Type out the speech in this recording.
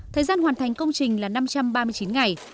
thời gian hoàn thành công trình là năm trăm ba mươi chín ngày